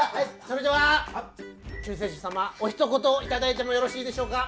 それでは救世主様おひと言いただいてもよろしいでしょうか？